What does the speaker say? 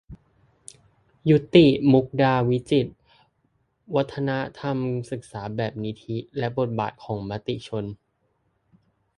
ยุกติ มุกดาวิจิตร : วัฒนธรรมศึกษาแบบนิธิ และบทบาทของมติชน